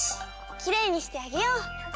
きれいにしてあげよう！